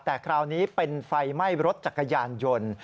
แต่คราวนี้เป็นไฟไหม้รถจักรยานยนต์